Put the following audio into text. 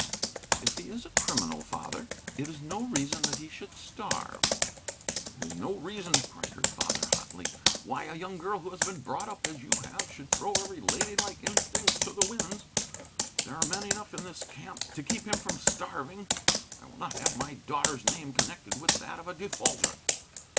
"If he is a criminal, father, it is no reason that he should starve." "It is no reason," cried her father, hotly, "why a young girl who has been brought up as you have, should throw every lady like instinct to the winds. There are men enough in this camp to keep him from starving. I will not have my daughter's name connected with that of a defaulter.